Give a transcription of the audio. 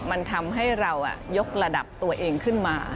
มันทำให้เรายกระดับตัวเองขึ้นมา